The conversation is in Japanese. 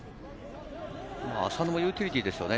浅野もユーティリティーですよね。